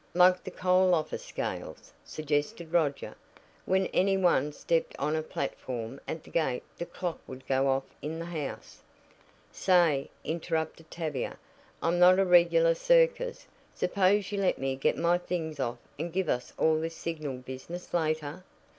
"Like the coal office scales," suggested Roger. "When any one stepped on a platform at the gate the clock would go off in the house." "Say," interrupted Tavia, "I'm not a regular circus. Suppose you let me get my things off and give us all this signal business later."